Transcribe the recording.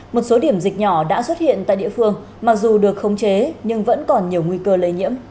một số điểm dịch nhỏ đã xuất hiện tại địa phương mặc dù được khống chế nhưng vẫn còn nhiều nguy cơ lây nhiễm